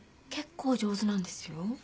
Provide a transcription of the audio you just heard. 結構上手なんですよ。